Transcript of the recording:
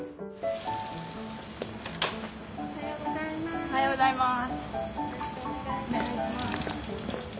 おはようございます！